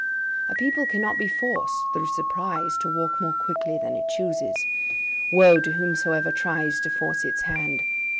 A people cannot be forced, through surprise, to walk more quickly than it chooses. Woe to whomsoever tries to force its hand!